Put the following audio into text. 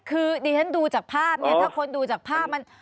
คือดิฉันดูจากภาพเนี่ยถ้าคนดูจากภาพมัน